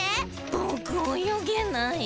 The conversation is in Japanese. ぼくおよげない。